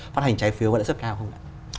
phát hành trái phiếu rất cao không ạ